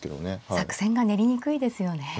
作戦が練りにくいですよね。